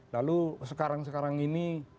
lalu sekarang sekarang ini